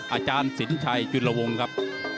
อาจารย์สินชัยจุลวงครับ